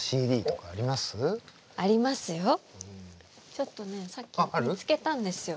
ちょっとねさっき見つけたんですよ。